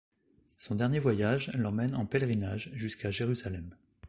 Son dernier voyage l'emmène en pèlerinage jusqu'à Jérusalem.